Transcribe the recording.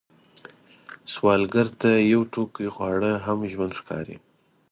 سوالګر ته یو ټوقی خواړه هم ژوند ښکاري